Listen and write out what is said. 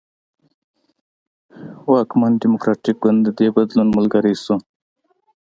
واکمن ډیموکراټ ګوند د دې بدلون ملګری شو.